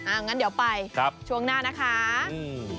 อ่างั้นเดี๋ยวไปช่วงหน้านะคะครับอืม